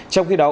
trong khi đó